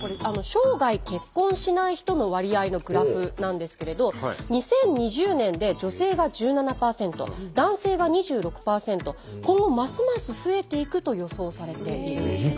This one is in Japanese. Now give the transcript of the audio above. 生涯結婚しない人の割合のグラフなんですけれど２０２０年で女性が１７％男性が２６％今後ますます増えていくと予想されているんです。